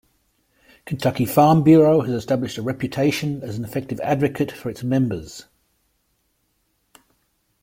Kentucky Farm Bureau has established a reputation as an effective advocate for its members.